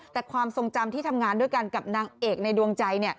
แต่ความทรงจำที่ทำงานด้วยกันกับนางเอกในดวงใจ